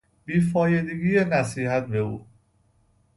بیفایدگی نصیحت به او